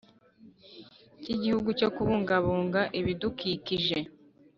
cy Igihugu cyo Kubungabunga Ibidukikije